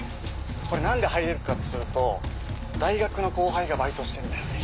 これ何で入れるかっつうと大学の後輩がバイトしてんだよね。